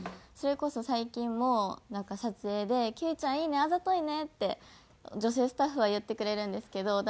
それこそ最近もなんか撮影で「休井ちゃんいいねあざといね」って女性スタッフは言ってくれるんですけど